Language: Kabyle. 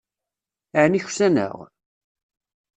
Aεni ksaneɣ?